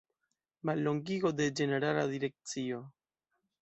Mallongigo de Ĝenerala Direkcio.